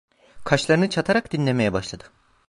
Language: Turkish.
Kaşlarını çatarak dinlemeye başladı.